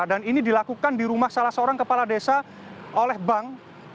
dan ini dilakukan di rumah salah seorang kepala desa oleh bank